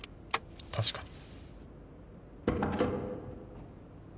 確かに。